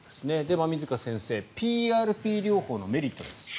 馬見塚先生、ＰＲＰ療法のメリットです。